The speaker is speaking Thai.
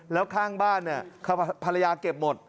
แล้วข้างบ้านเนี่ยภรรยาเก็บหมด